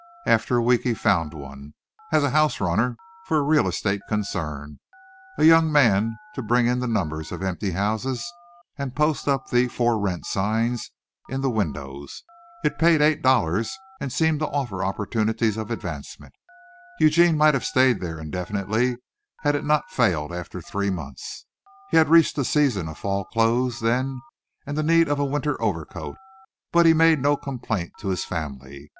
After a week he found one, as a house runner for a real estate concern, a young man to bring in the numbers of empty houses and post up the "For Rent" signs in the windows. It paid eight dollars and seemed to offer opportunities of advancement. Eugene might have stayed there indefinitely had it not failed after three months. He had reached the season of fall clothes then, and the need of a winter overcoat, but he made no complaint to his family.